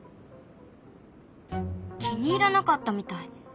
気に入らなかったみたい。